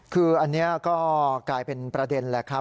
คืออันนี้ก็กลายเป็นประเด็นแหละครับ